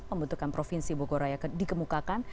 pembentukan provinsi bogoraya dikemukakan